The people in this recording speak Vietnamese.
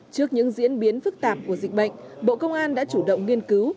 trước những diễn biến phức tạp của dịch bệnh bộ công an đã chủ động nghiên cứu